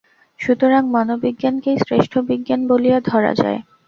সুতরাং মনোবিজ্ঞানকেই শ্রেষ্ঠ বিজ্ঞান বলিয়া ধরা যায়।